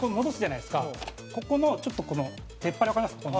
ここの、ちょっとこの出っ張りわかります？